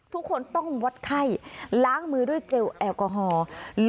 ทุกคนต้องวัดไข้ล้างมือด้วยเจลแอลกอฮอล์